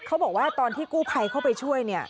เขาบอกว่าตอนที่กู้ภัยเข้าไปช่วยเนี่ย